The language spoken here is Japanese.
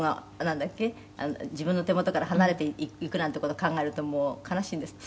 「自分の手元から離れていくなんて事考えるともう悲しいんですって？」